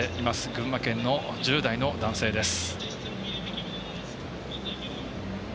群馬県の１０代の男性です。